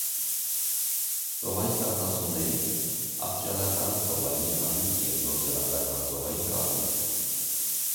Ծովային կաթնասուններից՝ ավստրիալական ծովային առյուծը և նոր զելանդական ծովային կատուն։